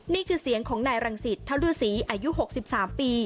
นี่คือเสียงของนายรังสิตเท่าฤษีอายุ๖๓ปี